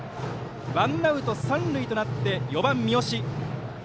ワンアウト、三塁となって４番、三好。